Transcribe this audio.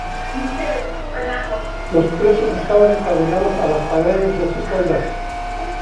Los presos estaban encadenados a las paredes de sus celdas.